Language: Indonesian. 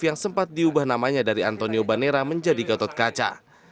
yang sempat diubah namanya dari antonio banera menjadi gatot kaca